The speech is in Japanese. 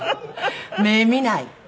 目見ない。